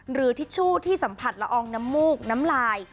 ทิชชู่ที่สัมผัสละอองน้ำมูกน้ำลาย